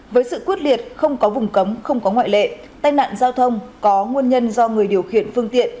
với sự quyết liệt không có vùng cấm không có ngoại lệ tai nạn giao thông có nguồn nhân do người điều khiển phương tiện